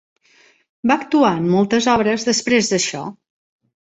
Va actuar en moltes obres després d'això.